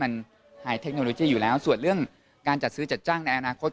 มันหายเทคโนโลยีอยู่แล้วส่วนเรื่องการจัดซื้อจัดจ้างในอนาคต